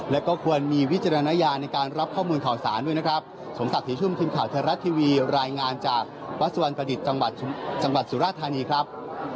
และก็ควรมีวิจารณญาณในการรับข้อมูลข่าวสถานด้วยนะครับ